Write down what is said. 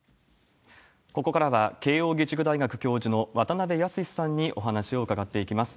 ここからは、慶應義塾大学教授の渡辺靖さんにお話を伺っていきます。